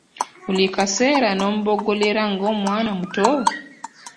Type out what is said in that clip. Buli kaseera n'omboggolera ng'omwana omuto!